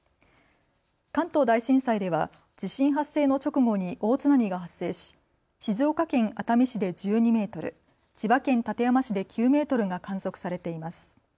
関東大震災では地震発生の直後に大津波が発生し静岡県熱海市で１２メートル、千葉県館山市で９メートルが観測されています。